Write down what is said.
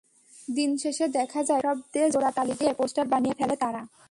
দিনশেষে দেখা যায়, ফটোশপ দিয়ে জোড়াতালি দিয়ে পোস্টার বানিয়ে ফেলে তারা!